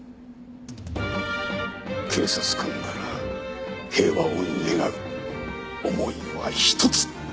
警察官なら平和を願う思いは一つ。